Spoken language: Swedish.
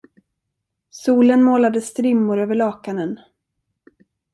Solen målade strimmor över lakanen.